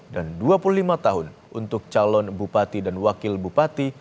dan dua puluh lima tahun untuk calon bupati dan wakil bupati